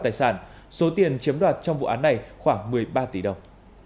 tài sản số tiền chiếm đoạt trong vụ án này khoảng một mươi ba tỷ đồng